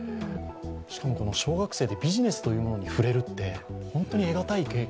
しかも小学生でビジネスというものに触れるって、本当に得がたい経験。